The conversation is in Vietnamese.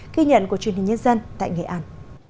ghi nhận của truyền hình nhân dân tại nghệ an